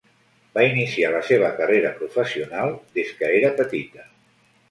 Va iniciar la seva carrera professional des que era petita.